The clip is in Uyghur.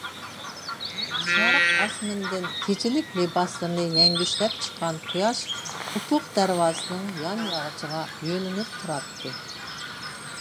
شەرق ئاسمىنىدىن كېچىلىك لىباسلىرىنى يەڭگۈشلەپ چىققان قۇياش ئۇپۇق دەرۋازىسىنىڭ يان ياغىچىغا يۆلىنىپ تۇراتتى.